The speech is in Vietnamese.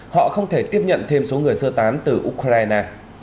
họ không thể tiếp nhận thêm số người sơ tán từ ukraine